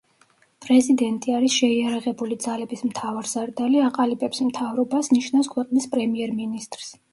პრეზიდენტი არის შეიარაღებული ძალების მთავარსარდალი, აყალიბებს მთავრობას, ნიშნავს ქვეყნის პრემიერ-მინისტრს.